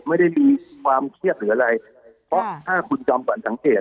ไม่ได้มีความเครียดหรืออะไรเพราะถ้าคุณจอมขวัญสังเกต